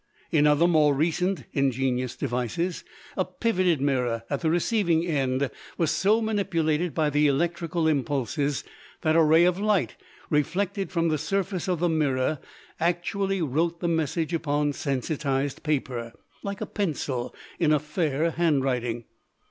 In another more recent ingenious device a pivoted mirror at the receiving end was so manipulated by the electrical impulses that a ray of light reflected from the surface of the mirror actually wrote the message upon sensitized paper, like a pencil, in a fair handwriting.